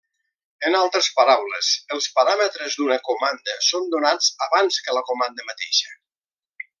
En altres paraules, els paràmetres d'una comanda són donats abans que la comanda mateixa.